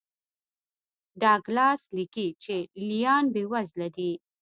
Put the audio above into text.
ډاګلاس لیکي لې لیان بېوزله دي.